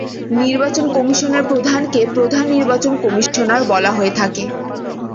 নির্বাচন কমিশনের প্রধানকে "প্রধান নির্বাচন কমিশনার" বলা হয়ে থাকে।